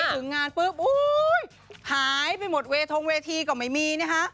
ถึงงานปุ๊บหายไปหมดเวทงเวทีก็ไม่มีนะฮะ